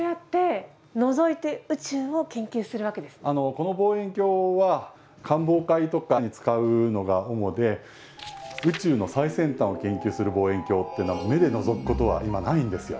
この望遠鏡は観望会とかに使うのが主で宇宙の最先端を研究する望遠鏡っていうのは目でのぞくことは今ないんですよ。